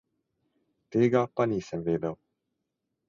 Tega pa nisem vedel.